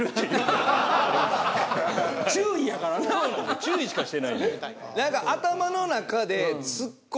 注意しかしてない。